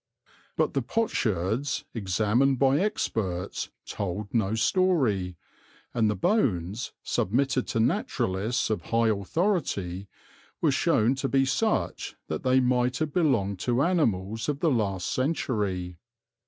But the potsherds, examined by experts, told no story, and the bones, submitted to naturalists of high authority, were shown to be such that they might have belonged to animals of the last century.